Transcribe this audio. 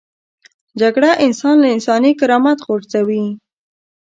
جګړه انسان له انساني کرامت غورځوي